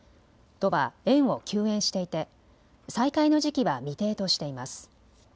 都は園を休園していて再開の時期は未定としています。